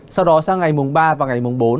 sau đó sang ngày mùng ba và ngày mùng bốn